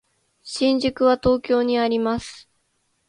新宿は東京にあります。